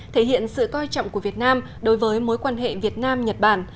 thể hiện sự coi trọng của việt nam đối với mối quan hệ việt nam nhật bản